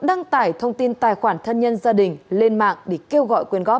đăng tải thông tin tài khoản thân nhân gia đình lên mạng để kêu gọi quyên góp